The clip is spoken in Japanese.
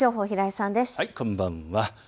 こんばんは。